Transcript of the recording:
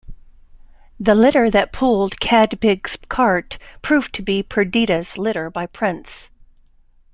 The litter that pulled Cadpig's cart proved to be Perdita's litter by Prince.